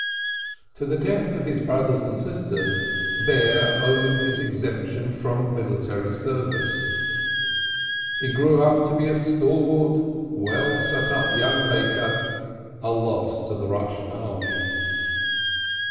To the death of his brothers and sisters, Bear owed his exemption from military service. He grew up to be a stalwart, well set up young baker, a loss to the Russian army.